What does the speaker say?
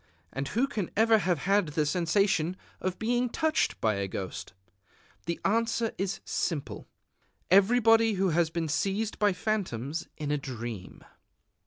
And who can ever have had the sensation of being touched by ghosts? The answer is simple: _Everybody who has been seized by phantoms in a dream.